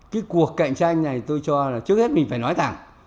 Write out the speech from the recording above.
cái cuộc cạnh tranh này tôi cho là trước hết mình phải nói thẳng